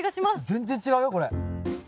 全然違うよこれ。